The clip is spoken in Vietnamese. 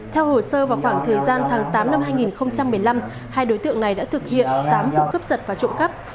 theo hồ sơ vào khoảng thời gian tháng tám năm hai nghìn một mươi năm hai đối tượng này đã thực hiện tám vụ cướp giật và trộm cắp